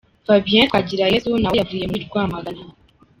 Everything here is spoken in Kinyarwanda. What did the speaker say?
Fabien Twagirayezu na we yavuye muri Rwamagana.